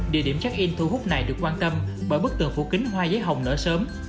địa điểm check in thu hút này được quan tâm bởi bức tường phủ kính hoa giấy hồng nở sớm